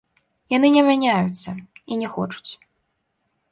Яны не мяняюцца і не хочуць.